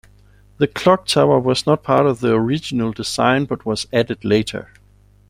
The clock tower was not part of the original design, but was added later.